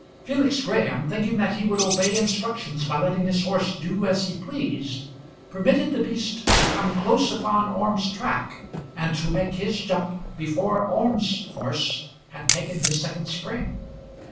Felix Graham, thinking that he would obey instructions by letting his horse do as he pleased, permitted the beast to come close upon Orme's track and to make his jump before Orme's horse had taken his second spring.